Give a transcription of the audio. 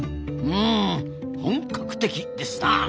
うん本格的ですなあ。